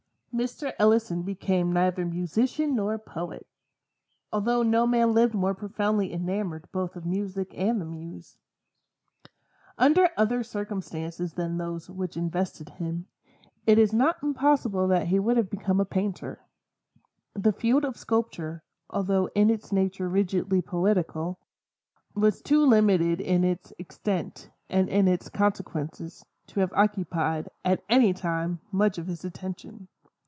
Mr. Ellison became neither musician nor poet; although no man lived more profoundly enamored both of Music and the Muse. Under other circumstances than those which invested him, it is not impossible that he would have become a painter. The field of sculpture, although in its nature rigidly poetical, was too limited in its extent and in its consequences, to have occupied, at any time, much of his attention.